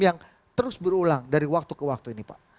yang terus berulang dari waktu ke waktu ini pak